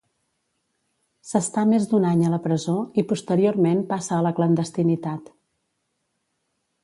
S'està més d'un any a la presó i posteriorment passa a la clandestinitat.